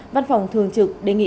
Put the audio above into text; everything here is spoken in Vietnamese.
văn phòng thường trực đề nghị